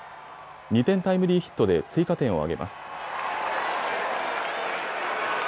２点タイムリーヒットで追加点を挙げます。